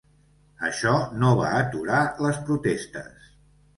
Això no va aturar les protestes.